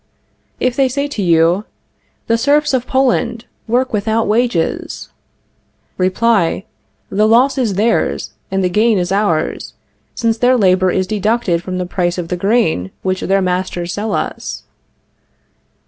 If they say to you: The serfs of Poland work without wages Reply: The loss is theirs and the gain is ours, since their labor is deducted from the price of the grain which their masters sell us.